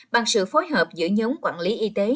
bằng sự phối hợp giữa nhóm quản lý y tế